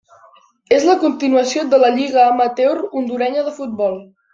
És la continuació de la Lliga amateur hondurenya de futbol.